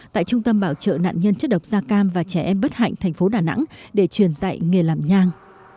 tại trung tâm bảo trợ nạn nhân chất độc da cam và trẻ em bất hạnh thành phố đà nẵng để truyền dạy nghề làm nhang